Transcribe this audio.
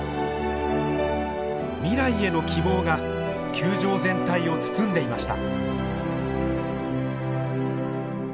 未来への希望が球場全体を包んでいました。